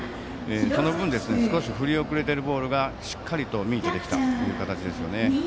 その分、少し振り遅れているボールがしっかりとミートできたという形でしたね。